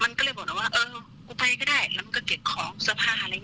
มันก็เลยบอกหนูว่าเออกูไปก็ได้แล้วมันก็เก็บของเสื้อผ้าอะไรอย่างเงี้ย